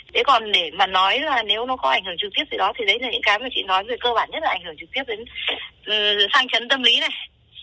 thế còn để mà nói là nếu nó có ảnh hưởng trực tiếp từ đó thì đấy là những cái mà chị nói về cơ bản nhất là ảnh hưởng trực tiếp đến khăn chấn tâm lý này